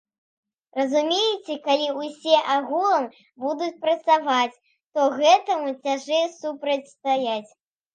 Разумееце, калі ўсе агулам будуць працаваць, то гэтаму цяжэй супрацьстаяць.